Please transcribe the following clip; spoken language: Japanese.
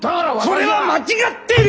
それは間違っている！